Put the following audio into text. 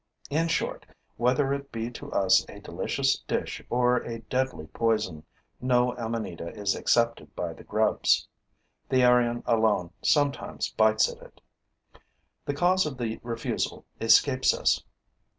In short, whether it be to us a delicious dish or a deadly poison, no amanita is accepted by the grubs. The arion alone sometimes bites at it. The cause of the refusal escapes us.